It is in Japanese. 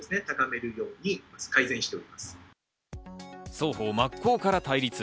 双方真っ向から対立。